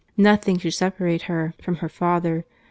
Nothing should separate her from her father.